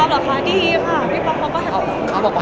สมมติว่าไงบ้างครับ